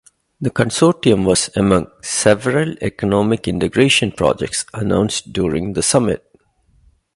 The consortium was among several economic integration projects announced during the summit.